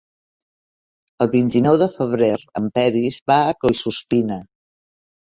El vint-i-nou de febrer en Peris va a Collsuspina.